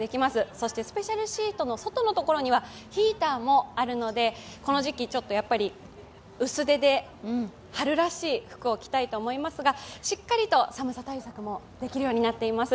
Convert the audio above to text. そしてスペシャルシートの外のところにはヒーターもあるのでこの時期、薄手で春らしい服を着たいと思いますが、しっかりと寒さ対策もできるようになっています。